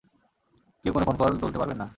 কেউ কোনো ফোনকল তুলতে পারবেন না।